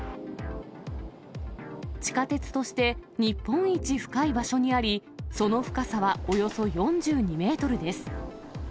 地下鉄として日本一深い場所にあり、その深さはおよそ４２メートルです。